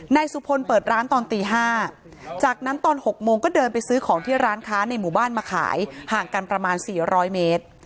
นายสุพลเปิดร้านตอนตี๕จากนั้นตอน๖โมงก็เดินไปซื้อของที่ร้านค้าในหมู่บ้านมาขายห่างกันประมาณ๔๐๐เมตร